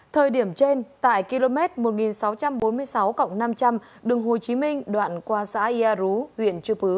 thời điểm trên tại km một nghìn sáu trăm bốn mươi sáu năm trăm linh đường hồ chí minh đoạn qua xã yà rú huyện chư pứ